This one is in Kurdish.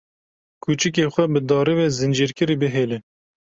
Kûçikê xwe bi darê ve zincîrkirî bihêle.